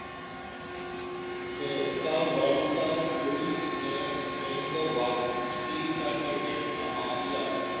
FIFA World cup روس نے Spain کو واپسی کا ٹکٹ تھمادیا